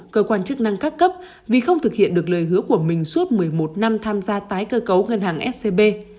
các cấp vì không thực hiện được lời hứa của mình suốt một mươi một năm tham gia tái cơ cấu ngân hàng scb